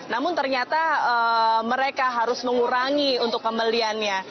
namun ternyata mereka harus mengurangi untuk pembeliannya